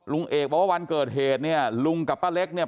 ลุงเอกบอกว่าวันเกิดเหตุเนี่ยลุงกับป้าเล็กเนี่ย